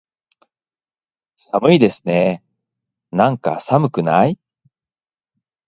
寒いですねーなんか、寒くない？